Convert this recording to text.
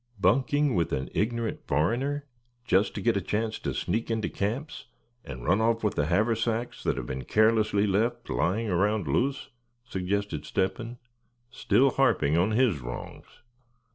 "Bunking with an ignorant foreigner just to get a chance to sneak into camps, and run off with the haversacks that have been carelessly left lying around loose?" suggested Step hen, still harping on his wrongs.